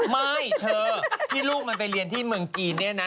ไม่เธอที่ลูกมันไปเรียนที่เมืองจีนเนี่ยนะ